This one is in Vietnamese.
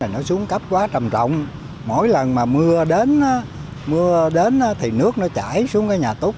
nó xuống cấp quá trầm rộng mỗi lần mà mưa đến thì nước nó chảy xuống cái nhà túc